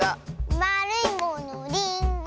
「まるいものリンゴ！」